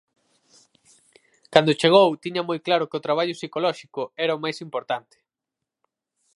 Cando chegou tiña moi claro que o traballo psicolóxico era o máis importante.